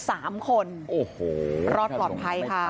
โอ้โหถ้าลงมาไม่ทันนะรอดปลอดภัยค่ะ